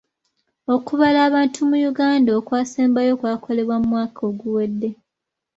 Okubala abantu mu Uganda okwasembayo kwakolebwa mu mwaka oguwedde.